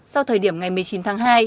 sau thời điểm ngày một mươi chín tháng hai